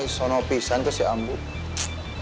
sama pisang ke si ambuk